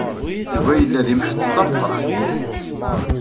Yuba yella d imḥettet ameqran.